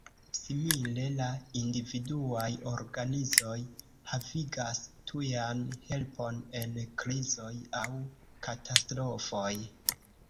Simile, la individuaj organizoj havigas tujan helpon en krizoj aŭ katastrofoj.